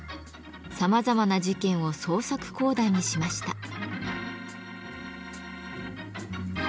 さまざまな事件を創作講談にしました。